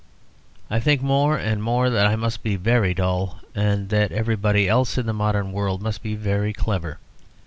I think more and more that I must be very dull, and that everybody else in the modern world must be very clever.